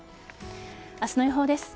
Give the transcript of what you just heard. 明日の予報です。